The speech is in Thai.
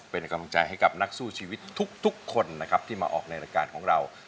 เป็นกำลังใจให้กับนักสู้ชีวิตทุกคนนะครับที่มาออกในรายการของเรา